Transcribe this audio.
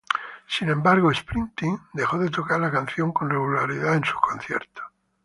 Sin embargo, Springsteen dejó de tocar la canción con regularidad en sus conciertos.